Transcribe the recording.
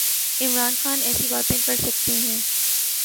عمران خان ایسی باتیں کر سکتے ہیں۔